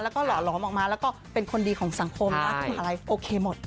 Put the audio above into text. แล้วก็หล่อมากแล้วก็เป็นคนดีของสังคมทางมหาวิทยาลัยโอเคหมด